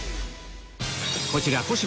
こちら小芝